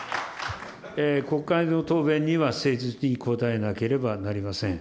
国会の答弁には誠実に答えなければなりません。